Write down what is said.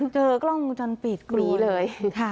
เจอกล้องมุมช้อนปิดกลีเลย